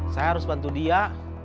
saya harus bantu dia